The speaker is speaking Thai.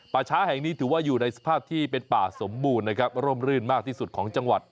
ป่าช้าแห่งนี้ถือว่าอยู่ในสภาพที่เป็นป่าสมบูรณ์นะครับร่มรื่นมากที่สุดของจังหวัด